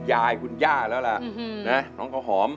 คุณยายคุณย่าแล้วล่ะน้องกระหอม